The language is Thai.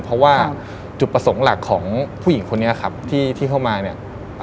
เพราะว่าจุดประสงค์หลักของผู้หญิงคนนี้ครับที่เข้ามาเนี่ย